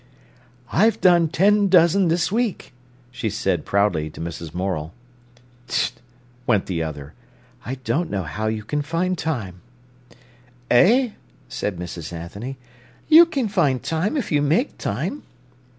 "I've done ten dozen this week," she said proudly to Mrs. Morel. "T t t!" went the other. "I don't know how you can find time." "Eh!" said Mrs. Anthony. "You can find time if you make time."